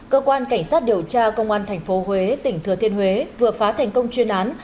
cơ quan cảnh sát điều tra công an tp huế tỉnh thừa thiên huế vừa phá thành công chuyên án